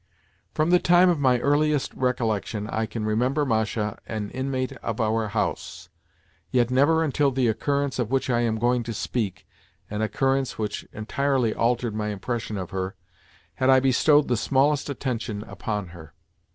From the time of my earliest recollection I can remember Masha an inmate of our house, yet never until the occurrence of which I am going to speak—an occurrence which entirely altered my impression of her—had I bestowed the smallest attention upon her.